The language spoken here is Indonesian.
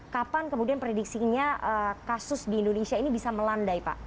kapan kemudian prediksinya kasus di indonesia ini bisa melandai pak